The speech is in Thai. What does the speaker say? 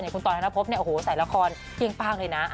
อย่างคุณตอนธนภพเนี่ยโอ้โหสายละครเย็งปางเลยนะ